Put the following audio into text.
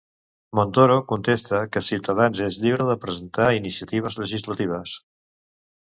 Montoro contesta que Cs és lliure de presentar iniciatives legislatives.